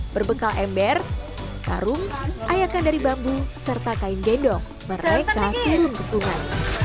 berbekal ember karung ayakan dari bambu serta kain gendong mereka turun ke sungai